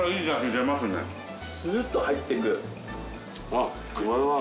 あっこれは。